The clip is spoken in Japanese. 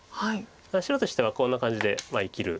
だから白としてはこんな感じで生きる。